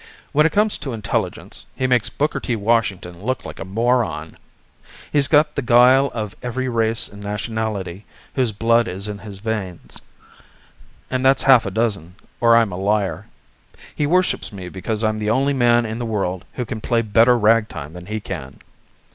"When it comes to intelligence he makes Booker T. Washington look like a moron. He's got the guile of every race and nationality whose blood is in his veins, and that's half a dozen or I'm a liar. He worships me because I'm the only man in the world who can play better ragtime than he can.